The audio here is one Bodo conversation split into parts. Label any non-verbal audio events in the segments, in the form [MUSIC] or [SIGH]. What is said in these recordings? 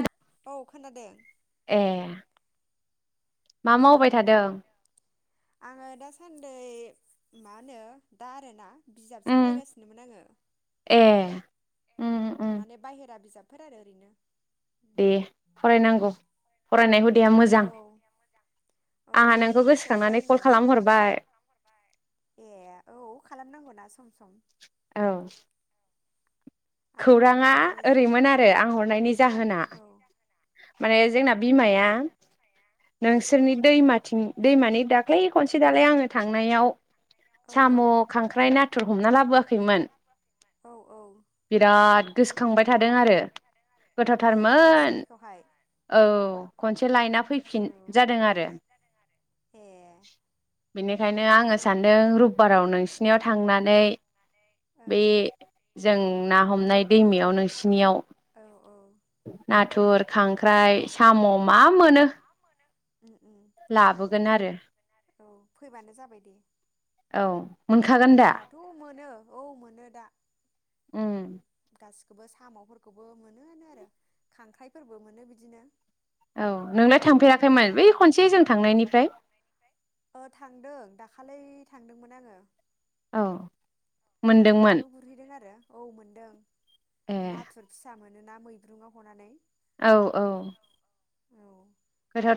औ औ खोनादों ए मा मावबाय थादों? आंङो दासान्दि मा होनो दा आरोना बिजाबसो उम फरायगासिनोमोन आंङो ए उम उम माने बाहेरा बिजाब फोर आरो ओरैनो दे फरायनांगौ। फरायनाय हुद दे मोजां औ औ आंहा ओरैनो नोंखौ थास्लायस्लाय गोसोखांनानै कल होननानै खालामहरबाय ए औ खालामनांगौना सम सम औ आंहाबो खौराङा हरबाय थानाय जालाय ओरैमोन लाङा आरो आं हरनायनि जाहोना औ माने माबायदि जोंना बिमाया औ नोंसोरनि दैमाथिं दैमानि दाख्लै खनसे दालाय आंङो थांनायाव औ औ साम' खांख्राइ ना नाथुर हमना लाबोआखैमोन? औ औ बिराद गोसोखांबाय थादों आरो ए गोथावथारमोन खनसेनिखौहाय औ खनसे लायना फैफिन औ जादों आरो ए बेनिखायनो आंङो सानदों रबिबाराव नोंसिनियाव थांनानै ओं बे जों ना हमनाय दैमायाव नोंसिनियाव औ औ नाथुर खांख्राइ साम' मा मोनो लाबोगोन लाबोगोन आरो आरो औ फैबानो जाबाय दे औ औ मोनखागोन दा दाथ' मोनो औ मोनो उम गासि बो साम'फोरखौबो मोनोआनो आरो खांख्राइफोरबो मोनो बिदिनो औ नोंला दा थांफेराखैमोन बै आरो खनसे जों थांनायनिफ्राय ओ थांदों दाखाालै थांदोंमोन आंङो औ माने मोनदोंमोन नाल गुरहैदों आरो औ मोनदों ए नाथुर फिसा मोन मानोना मैद्रुङाव हनानै औ औ औ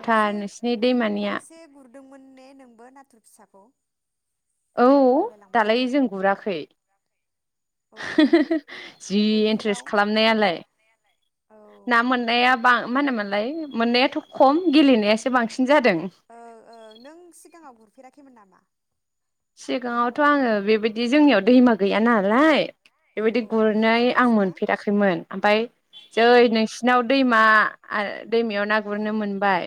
खनसे नोंसिनि दैमानिया खनसे गुरदोंमोन ने नोंबो नाथुर फिसाखौ औ बावलायलांबाय दालाय आङो जों गुराखै औ हे-हे-हे जि मैब्रुआव इन्ट्रेस्ट खालामनायालाय औ ना मोननाया मा होनोमोनालाय मोननायाथ' खम गेलेनायासो बांसिन जादों। नों सिगाङाव गुरफेराखैमोन नामा? ने? सिगाङावथ' आङो बेबायदि बिदि जोंनियाव दैमा गैया नालाय औ बेबायदि औ बेयावनो गुरनै आं फास ना मोनफेराखैमोन ओमफ्राय औ ओ जै नोंसिनाव दैमा आरो दैमायाव ना गुरनो मोनबाय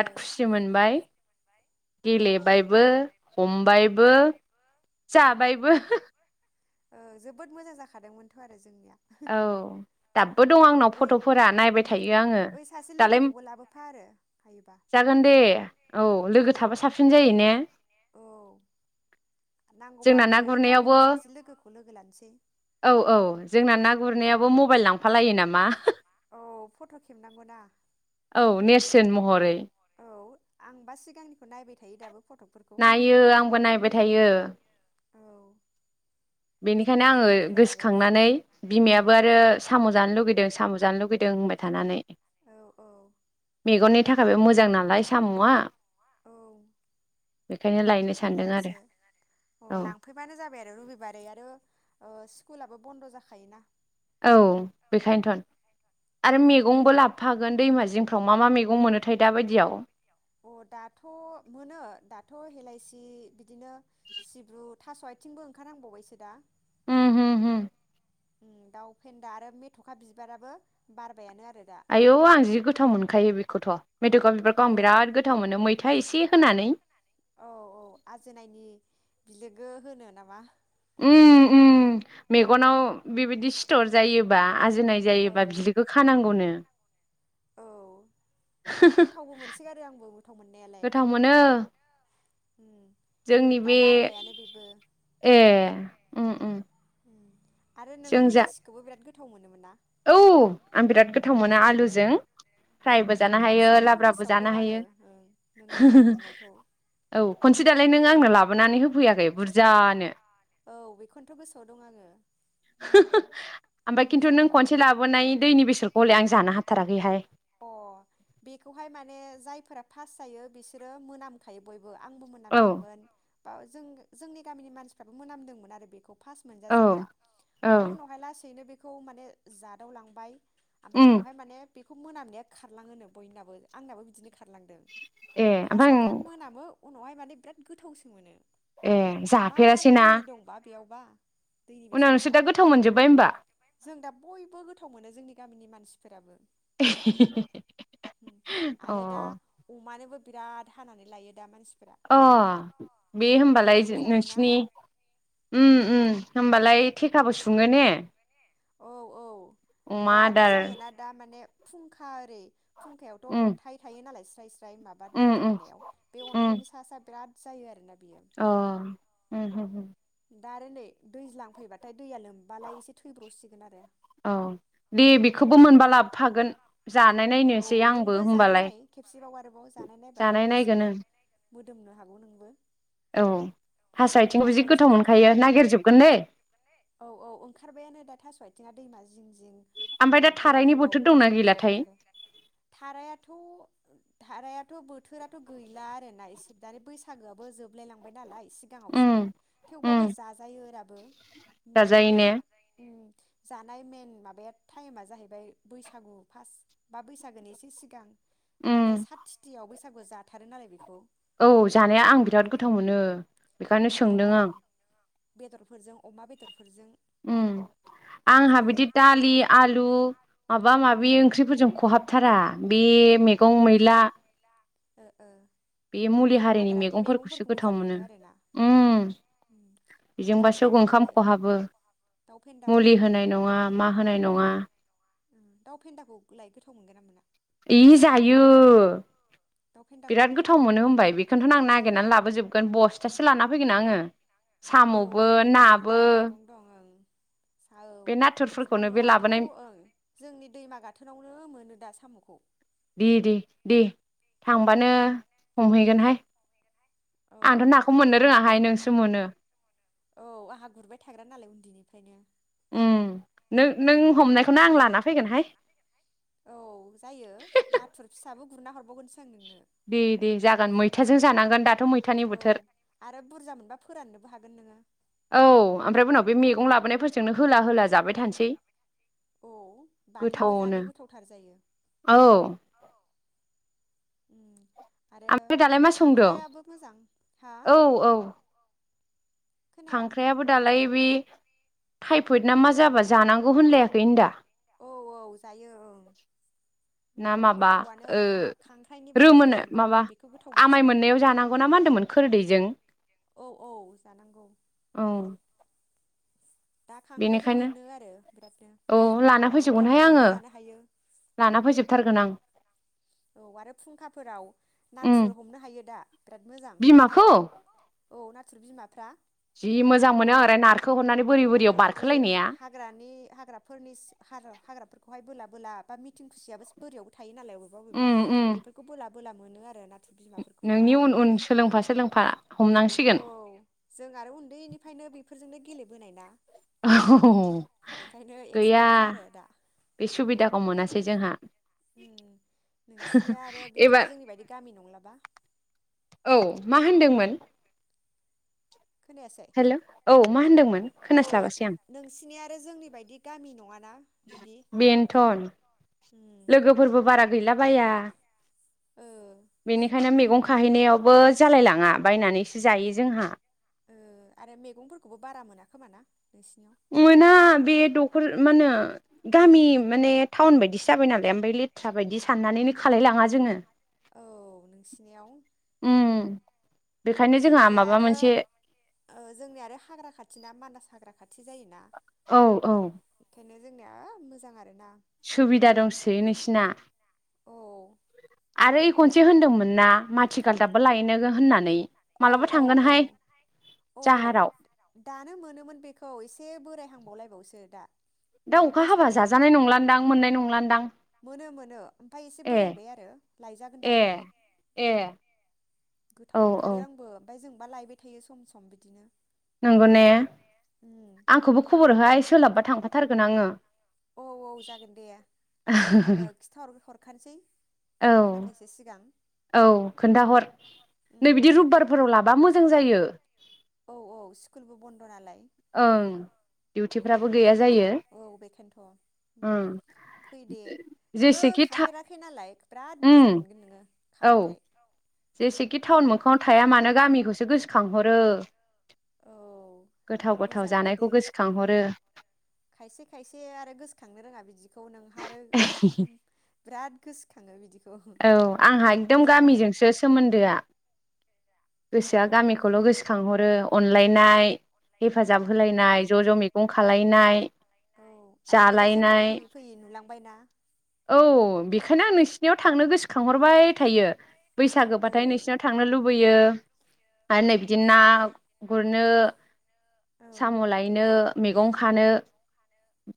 ओ खुसि मोनबाय द ओ गेलेबायबो खबाइबो औ ओ जाबायबो जोबोद मोजां जाखादोंमोनथ' आरो जोंनिया औ दाबो उम दं आंनाव ओइ फट'फोरा नायबाय उम थायो आङो ओइ सासे दालाय लोगोखौबो लाबोफा आरो हायोबा जागोन दे औ लोगो उम थाबा साबसिन जायो ने औ नांगौबा जोंना ना आंबो ओइ गामिनि गुरनायावबो सासे लोगोखौ लोगो लानोसै औ औ गुरनायाबो मबाइल लांफालायो नामा औ फट' खेबनांगौना औ नेरसोन महरै औ आंबा सिगांनिखौ नायबाय थायो दाबो फट'फोरखौ नायो आंबो नायबाय थायो औ मोजां बेनिखायनो आङो भिडिअ'फोराबो गोसोखांनानै ाबो आरो साम' जानो लुुबैदों साम' जानो लुगैदों होनबाय थानानै औ औ मेगननि थाखायबो मोजां मोजां नालाय साम'आ औ बेखायनो लायनो सानदों आरो मोजांसो औ लांफैबानो जाबाय आरो रबिबारै आरो स्कुलाबो बन्द' जाखायोना औ बेखायनोथ' आरो उम मैगंबो लाबोफागोन दैमाजों जिंफ्राव मा मा मैगं मोनोथाय दााबायदियाव अ दाथ' मोनो दाथ' हेलाइसि बिदिनो सिब्रु थास' आथिंबो ओंखारहांबावबायसो दा। उय हम हम। उम दाउ फेन्दा आरो मेथ'खा बिबाराबो बारबायानो आर आयौ आं जि गोथाव मोनखायो बेखौथ'। मेथका बिबारखौ औ आं बिराद गोथाव मोनो मैथा इसेह होननानै औ औ आजोननायनि बिलोग गो होनो नामा। उम उम मेगनाव बिबायदि सिथर जायोबा। आजोनाय जायोबा बिलोगो खानांगौनो‌। औ‌। गोथावबो मोनसो गारो आंबोब गोथाव मोनो। उम जोंनि दा बे बारबायानो बेबो ए उम उम। उम आरो नोङो जों जा हलाइसिखौबो बिराद गोथ थाव मोनोमोन ना। औ आं बिरााद गोथ थाव मोनो औ आलुजों फ्रायबो उम जानो हायो खनसेनिखौ लाब्राबो गोसोआव दं जानो आङो हायो ओं नों गोथाव मोननायखौ औ खनसे दालाय नों आंनो लाब बोनानै होफैयाखै बुरजानो। औ बेखौनोथ' गोसोआव दं आङो मोजाङानो मोन ना। बोनाय दैनि बेसरखौ हलाय आं जानो हाथाराखैहाय। अ बेखौहाय माने जायफोरा फास जायो बिसोरो मोनामखायो बयब बो आंबो औ मोनामदोंमोन। बा जों जोंनि गामिनि मानसिफ्राबो मोनामदोंमोन आरो बेखौब फास औ मोनजाजेनबा औ उमफाय उनावहाय लासैनो बेख खौ माने जादाव लांबाय। आमफ्राय उम उनावहाय माने बेख खौ मोनामनाया खारलाङोनो बयनाबो आंनाबो बिदिनोख खारलांदों ए ओमफ्राय फासटआव बिराद आं मोनामो उ उनावहाय माने बिराद गोथावसो मोनो। ए जाफेरासैना। बा। उनाव नोंसोददा गोथाव मोनजोब्बाय होनोमबा। जों दा बयबो गोथाव मोनो जोंनि गामिनि मानसिफोराबो। आरो दा अ अमानोबो बिराद हानानै लायो दा मानसि अ बे होमबालाय अमायाबो जायोना नोंसिनि होमबालाय थेखाबो सुङो ने औ औ अमा बिराद आदार जायोना दा माने फुंखा आरि फुंखायावथ' उम अन्थाइ थायो नालाय जाय माबा दै उम उम बोहैनायाव बे उम अन्थाइनि सा सा बिराद जायोआरो [UNINTELLIGIBLE] अ उम उम उम। दा आरो नै दैज्लां फैबाथाय दैया लोमबालाय एसे थैब्र'सिगोन आरो। औ दे बेखौबो मोनबा दा लाबोफागोन जानाय औ नायनोसै आंबो नोंबो जानाय होमबालाय नाय खेबसेबाव आरोबाव नायबाथाय जानाय नायगोन लासैनो मोदोमनो हागौ नोंबो औ थास आथिं जि गोथाव मोनखायो नागिरजोबगोन दै [UNINTELLIGIBLE] औ औ ओंखारबायानो दा थास' आथिं दैमा ओमफ्राय दा [INAUDIBLE] गोलाव थारायनि गोलाव बोथोर दंना मोजां मोजां गैलाथाय हरथारो थारायाथ' थाराया [UNINTELLIGIBLE] थ' बोथोराथ' गैला आरोना एसे दानि बैसागोआबो जोबलाय लांबाय नालाय। उम सिगांङावसोमोन [UNINTELLIGIBLE] उम थेवबाबो जाजायो राबो जाजायो बिनि ने [UNINTELLIGIBLE] जानाय मइेन माबाया थाइमा जाहैबाय बैसागु फार्स्ट बा बैसागोनि एसे सिगां [UNINTELLIGIBLE] माने [UNINTELLIGIBLE] उम बैस बैसागु जाथारो नालाय बेखौ। औ जानाया आं बिराद बिदि गोथाव मोनो बेखायनो स औ सोंदों औ आं। बेदरफोरजों अमा बेदर। ओम आंहा बिदि दालि आलु माबा ओ माबि ओंख्रिफोरजों खहाबथारा। बे अ मैगं मैला। ओ ओ। बे मुलि हारिनि हाग्रानि मैगंफोरखौसो मैगंफोरखौ गोथाव मोजां मोनो आरोना ओम उम दाउ बेजोंबासो ओंखाम फेन्दाखौलाय खहाबो दाउ फेन्दाखौ मुलि होनाय नङा मा होनाय नङा। दाउ फेन्दाखौ लाय गोथाव [UNINTELLIGIBLE] इ जायो दाउ बिराद फेन्दाखौबो गोथाव मोनो होनबाय बेखौथ' आं नागिरनानै लाबोजोब गोन बस्टासे [UNINTELLIGIBLE] नाबो बे नाथुरफोरखौनो बे लाबोनाय [INAUDIBLE] दे दे। दे थांबानो हमहैगोनहाय। [UNINTELLIGIBLE] औ आंथ' नाखौ मोननो रोङाहाय नोंसो मोनो आंहा गुरबाय थाग्रा नालाय। ओम नों नों हमनायखौनो आं लाना फैगोनहाय। औ जायो नाथुर फिसाबो गुरना हरबावगोनसो। आं नोंनो दे दे जागोन मैथाजों जानांगोन दाथ' उम मैथानि औ बोथोर आरो बुरजा मोनबा फोराननोबो हागोन नोङो औ ओमफ्राय उनाव बे मैगं लाबोनायफोरजोंनो होला होला जाबाय थानोसै। औ बाथोनबो गोथावनो जानो गोथावथार जायो औ ओमफ्राय औ। उम। आरो दालाय मा संदों खांख्राइआबो मोजां हा औ औ। खांख्रायाबो दालाय बे थाइफयद ना मा जाबा जानांगौ होनलायाखै होनदा? औ औ जायो औ। ना माबा ओ बे रोमोनो मेलेमा माबा बेखौ गोथाव मोनसो आमाय गारो। मोननायाव जानांगौ ना मा होनदोंमोन खोरदैजों? औ औ जानांगौ औ दा खांख्राइबो बेनिखायनो मोनो आरो बिरादनो औ लाना फैजोबगोनहाय मैथाफोरजोंबो आङो जानो हायो। लाना फैजोबथारगोन आं औ आरो फुंखाफोराव उम नाथुर हमनो हायो दा? बिराद मोजां बिमाखौ औ ना बिमाफ्रा जि मोजां मोनो ओरै नारखो हरनानै ओम बोरि बोरियाव ओरै बारखोलायनाया हाग्रानि हाग्राफोरनिस हाग्रा हाग्राफोरखौहाय बोलाब बोला बा मिथिं खुसियाबो बोरैयावबो थायो नालाय बबेबा बबेबा उम उम बेफोरखौ बोला बोला मोनो आरो ना। बिमाफोरखौ नोंनि उन बिरादनो उन सोलोंफा सोलोंफा औ हमनांसिगोन जों आरो उन्दैनिफ्रायनो बे नो गेलेबोनाय ना। औ बेखायनो गैया एक्सपार्टखा आरो दा बे सुबिदाखौ मोना सै जोंहा। नोंसिनिया आरो बिदि एबार जोंनि बायदि गामि नंलाबा? औ मा होनदोंमोन? खोनायासै? हेल' औ मा होन्दोंमोन औ नोंसिनि आरो जोंनि बायदि गामि नङा। बेन्थन। उम लोगोफोरबो बारा गैलाबाया। ओ बेनिखायनो मेगं खाहैनायावबो जालायलाङा बायनानैसो जायो जोंहा। ओ आरो मेगंफोरखोबो बारा मोना खोमा ना नोंसिनि मोना बे दखल मानो गामि माने टाउन बादिसो जाबाय नालाय ओमफाय लेथ्रा बादि साननानैनो खालाय लांङा जोङो। औ नोंसिनियाव उम बेखायनो जोंहा जोंनिया माबा आरो मोनसे जोंनिया आरो हाग्रा खाथिनाा मानास हाग्रा खा खाथि जायोना औ बेखायनो जोंनिया ओ मोजां आरो ना। सुबिदा दंसोयो नोंसिना। औ आरो ओय खनसे होनदोंमोन ना मा औ औ मालाबा औ औ थांगोनहाय औ जाहाराव दानो मोनोमोन बेखौ एसे बोरायहांबावलाय बावसो दा दा माने अखा हाबा बैसागु जाजानाय नंलान्दां मोननाय नंलान्दां मोनो मोनो ओमफाय एसे ए बोरायबाय आरो लायजागोन ए दाबो ए। औ गोथाव औ मोनथारो आंबो ओमफाय जों बा लायबाय थायो सम सम बिदिनो नंगौ ने उम आंखौबो खबरहोहाय सोलाबबा थांफा थारगोन आंङो। औ औ जागोन दे आंङो खिथाहर औ हरखानोसै औ साननैसो सिगां। औ खोन्थाहर नै उम बिदि रुबबारफोराव लाबा मोजां जायो। जायो औ औ स्कुलबो बन्द' नालाय ओं डिउटिफ्राबो गैया जायो ओ बेखायनो मानसिफ्राबो गैया जायो औ ओं बेखायनोथ' फै दे नोंङो जेसेखि था खाफेराखै नालाय बेराद मोजां उम मोनगोन नोंङो। खाबाथाय औ। जेसेखि टाउन मोखाङाव थाया मानो गामिखौसो औ गोसोखांहरो। औ गोथाव गोथाव मोजाङानो दे जानायखौ गोसोखांहरो गोसो खांहरो खायसे खायसे आरो गोसोखांनो रोङा बिदिखौ नोंहा आरो बिराद गोसोखाङो बिदि औ आंहा एकदम गामिजोंसो सोमोन्दोआ। गोसोआ औ गामिखौल' गोसोखांहरो। अनलायनाय हेफाजाब होलायनाय ज' ज' मैगं खालायनाय जानाय लोंनाय औ जालायनाय आं औ बेखायनो आं नोंसि थांनो गोसोखांहरबाय थायो। बैसागो बाथाय नोंसिनाव थांनो लुबैयो आरो नै बिदि ना गुर नो साम' थांनो लायनो मैगं खानो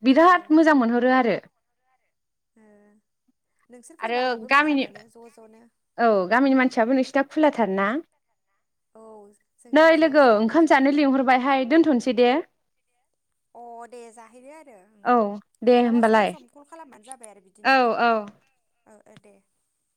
बिराद मोजां मोनहरो आरो। लुबैयो नोंसोर आरो फैबा आहाबो मोजां गामिनि मोनो ज' ज'नो औ गामिनि मानसियाबो नोंसिना खुलाथार ना औ नै जोंनिया ज' लोगो ज' ओंखाम बिदिनो जानो लिंहरबायहाय दोनथ'नोसै। दे। अ' दे जाहैदो आरो औ दे मालाबा सम होमबालाय सम कल खालामबानो जाबाय आरो बिदिनो औ दे। औ औ ओ दे।